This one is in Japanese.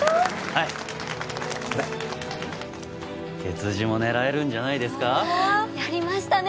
はいこれ月次も狙えるんじゃないですかやりましたね